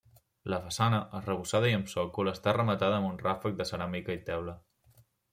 La façana, arrebossada i amb sòcol, està rematada amb un ràfec de ceràmica i teula.